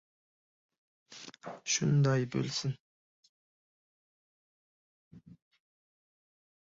— Shunday bo‘lsin!